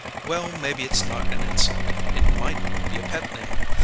Well, maybe it's not an insult; it might be a pet name.